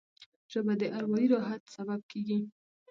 ژبه د اروايي راحت سبب کېږي